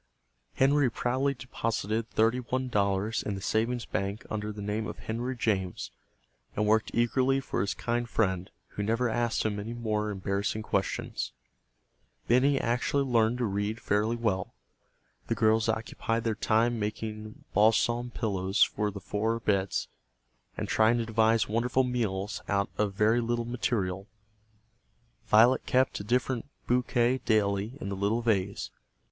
Henry proudly deposited thirty one dollars in the savings bank under the name of Henry James, and worked eagerly for his kind friend, who never asked him any more embarrassing questions. Benny actually learned to read fairly well. The girls occupied their time making balsam pillows for the four beds, and trying to devise wonderful meals out of very little material. Violet kept a different bouquet daily in the little vase.